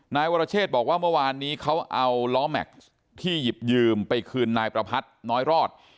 นายวรเชษบอกว่าเมื่อวานนี้เขาเอาล้อแม็กซ์ที่หยิบยืมไปคืนนายประพัทธ์น้อยรอด